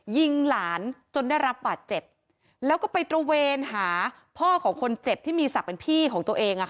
ยิงหลานจนได้รับบาดเจ็บแล้วก็ไปตระเวนหาพ่อของคนเจ็บที่มีศักดิ์เป็นพี่ของตัวเอง